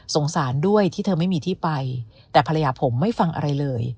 สารด้วยที่เธอไม่มีที่ไปแต่ภรรยาผมไม่ฟังอะไรเลย